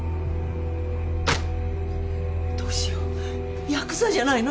どうしようやくざじゃないの？